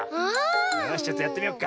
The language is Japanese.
よしちょっとやってみよっか。